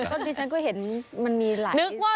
ตอนนี้ฉันก็เห็นมันมีหลายไซซ์มันอีกแบบ